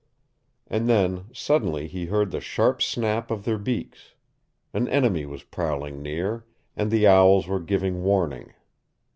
And then suddenly he heard the sharp snap of their beaks. An enemy was prowling near, and the owls were giving warning.